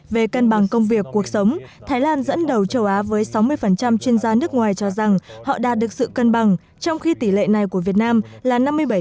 về cân bằng công việc cuộc sống thái lan dẫn đầu châu á với sáu mươi chuyên gia nước ngoài cho rằng họ đạt được sự cân bằng trong khi tỷ lệ này của việt nam là năm mươi bảy